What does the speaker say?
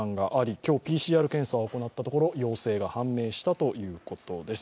今日ＰＣＲ検査を行ったところ陽性が判明したということです。